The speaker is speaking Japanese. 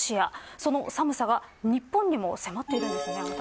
その寒さ、日本にも迫っているんですね。